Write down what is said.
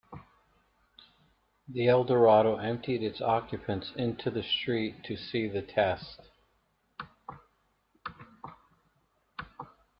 The Eldorado emptied its occupants into the street to see the test.